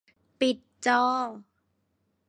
ปิดจอ